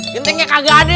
gantengnya kaga ada